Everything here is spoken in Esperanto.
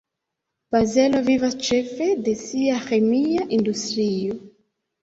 Bazelo vivas ĉefe de sia ĥemia industrio.